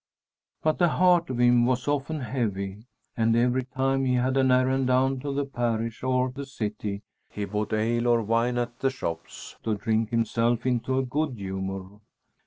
But the heart of him was often heavy, and every time he had an errand down to the parish or the city he bought ale or wine at the shops to drink himself into a good humor.